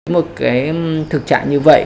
một cái thực trạng như vậy